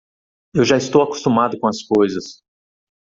Eu já estou acostumado com as coisas.